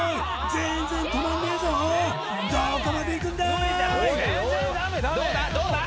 全然止まんねえぞどこまで行くんだ！